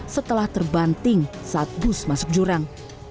setelah terbanting saat bus masuk jurang